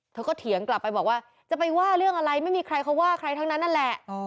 เธอก็เถียงกลับไปบอกว่าจะไปว่าเรื่องอะไรไม่มีใครเขาว่าใครทั้งนั้นนั่นแหละ